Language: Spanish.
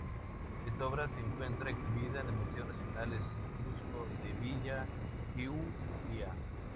Esta obra se encuentra exhibida en el Museo Nacional Etrusco de Villa Giulia.